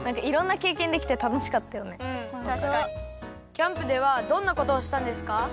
キャンプではどんなことをしたんですか？